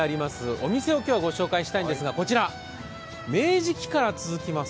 お店を今日はご紹介したいんですけどこちら明治期から続きます